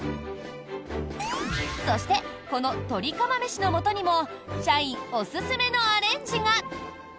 そしてこの「とり釜めしの素」にも社員おすすめのアレンジが！